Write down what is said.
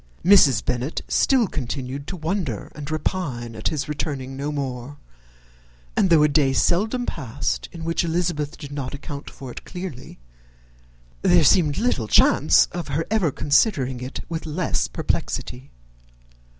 Mrs. Bennet still continued to wonder and repine at his returning no more; and though a day seldom passed in which Elizabeth did not account for it clearly, there seemed little chance of her ever considering it with less perplexity.